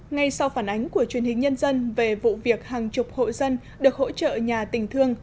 ngay sau phản ánh của truyền hình nhân dân về vụ việc hàng chục hội dân được hỗ trợ nhà tình thương